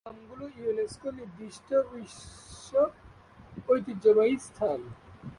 এই গ্রামগুলি ইউনেস্কো নির্দিষ্ট বিশ্ব ঐতিহ্যবাহী স্থান।